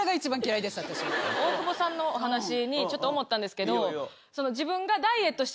大久保さんのお話にちょっと思ったんですけど。